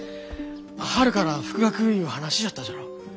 春から復学いう話じゃったじゃろう。